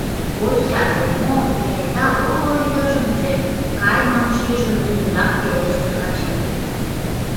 — Костя, тый мом? — кенета уло йыжыҥже каймым шижын, лӱдынрак пелештыш Качырий.